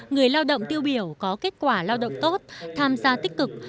người lao động tiêu biểu có kết quả lao động tốt tham gia tích cực